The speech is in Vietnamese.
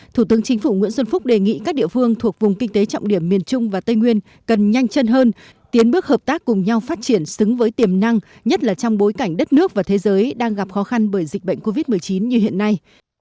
thủ tướng chính phủ nguyễn xuân phúc đề nghị các địa phương thuộc vùng kinh tế trọng điểm miền trung và tây nguyên cần nhanh chân hơn tiến bước hợp tác cùng nhau phát triển xứng với tiềm năng nhất là trong bối cảnh đất nước và thế giới đang gặp khó khăn bởi dịch bệnh covid một mươi chín như hiện nay